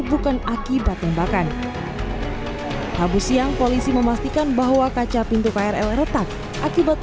bukan akibat tembakan habis siang polisi memastikan bahwa kaca pintu krl retak akibat